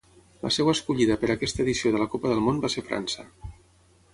La seu escollida per aquesta edició de la Copa del Món va ser França.